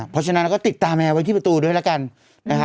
เพราะฉะนั้นเราก็ติดตามแมวไว้ที่ประตูด้วยแล้วกันนะครับ